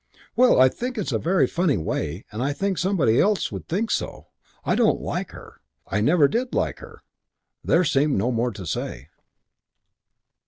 "Well, I think it's a very funny way and I think anybody else would think so. I don't like her. I never did like her." There seemed no more to say.